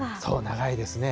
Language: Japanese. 長いですね。